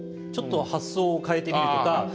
ちょっと発想を変えてみるとか。